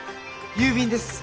郵便です。